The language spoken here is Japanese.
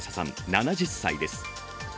７０歳です。